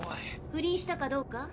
不倫したかどうか？